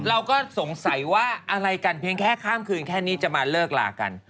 เราก็สงสัยว่าอะไรกันเพียงแค่ข้ามคืนแค่นี้จะมาเลิกลากัน